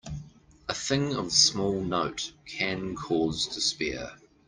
A thing of small note can cause despair.